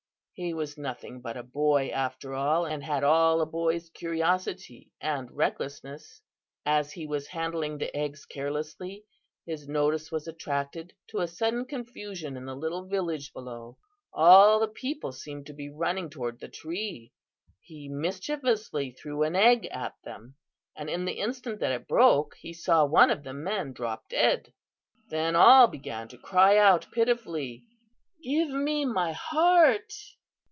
He was nothing but a boy after all, and had all a boy's curiosity and recklessness. As he was handling the eggs carelessly, his notice was attracted to a sudden confusion in the little village below. All of the people seemed to be running toward the tree. He mischievously threw an egg at them, and in the instant that it broke he saw one of the men drop dead. Then all began to cry out pitifully, 'Give me my heart!